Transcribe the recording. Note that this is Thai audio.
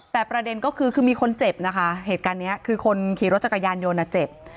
แต่ประเด็นก็คือคือมีคนเจ็บนะคะเหตุการณ์นี้คือคนขี่รถจักรยานยนต์เจ็บ